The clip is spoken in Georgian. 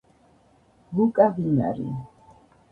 ლუკა ვინარი